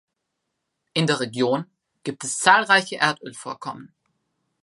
In der Region gibt es zahlreiche Erdölvorkommen.